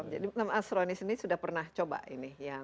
jadi pak asronis ini sudah pernah coba ini